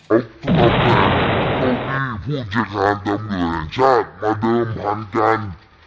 เอาตำแหน่งเก้าอี้ผู้จัดการตำรวจแห่งชาติมาเดิมพันกัน